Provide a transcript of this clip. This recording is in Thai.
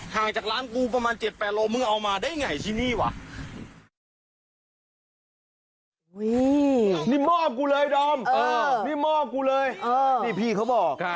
งจากร้านกูประมาณ๗๘โลมึงเอามาได้ไงที่นี่วะ